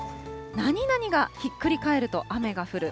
何々がひっくり返ると雨が降る。